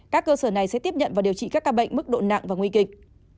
các cơ sở này sẽ tiếp nhận và điều trị các ca bệnh mức độ nặng và nguy kịch